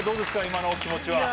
今のお気持ちは。